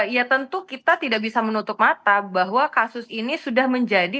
ya tentu kita tidak bisa menutup mata bahwa kasus ini sudah menjadi